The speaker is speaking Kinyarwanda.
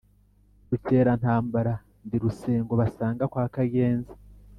Rukerantambara ndi Rusengo basanga kwa Kagenza.